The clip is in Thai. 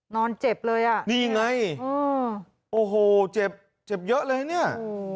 นอนเจ็บเลยอ่ะนี่ไงโอ้โหเจ็บเจ็บเยอะเลยเนี่ย